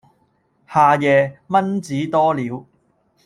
夏夜，蚊子多了，